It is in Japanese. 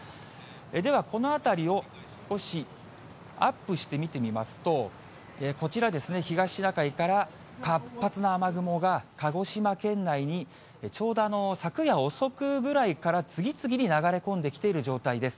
では、この辺りを少しアップして見てみますと、こちらですね、東シナ海から活発な雨雲が鹿児島県内に、ちょうど昨夜遅くぐらいから、次々に流れ込んできている状態です。